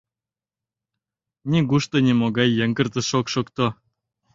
Нигушто нимогай йыҥгыртыш ок шокто.